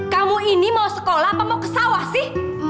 kamu ini mau sekolah kamu mau ke sawah sih